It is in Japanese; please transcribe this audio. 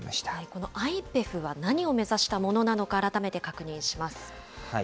このＩＰＥＦは何を目指したものなのか、改めて確認します。